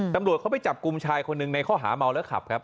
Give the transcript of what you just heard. ตำรวจเขาไปจับกลุ่มชายคนหนึ่งในข้อหาเมาแล้วขับครับ